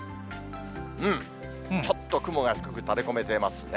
ちょっと雲が低く垂れ込めてますね。